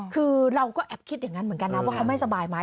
คือเราก็แอบคิดอย่างนั้นเหมือนกันนะว่าเขาไม่สบายไหม